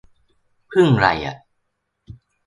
พึ่งไรอ่ะ